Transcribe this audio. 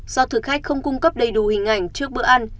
do thực khách không cung cấp đầy đủ hình ảnh trước bữa ăn